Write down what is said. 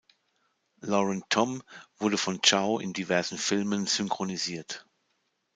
Lauren Tom wurde von Chao in diversen Filmen synchronisiert.